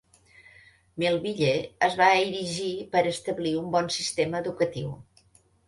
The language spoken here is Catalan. Melville es va erigir per establir un bon sistema educatiu.